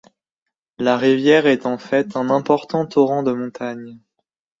La rivière est en fait un important torrent de montagne.